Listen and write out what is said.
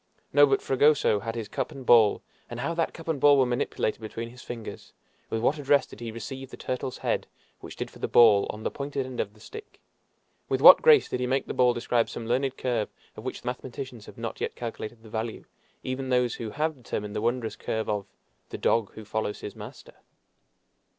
No; but Fragoso had his cup and ball, and how that cup and ball were manipulated between his fingers! With what address did he receive the turtle's head, which did for the ball, on the pointed end of the stick! With what grace did he make the ball describe some learned curve of which mathematicians have not yet calculated the value even those who have determined the wondrous curve of "the dog who follows his master!"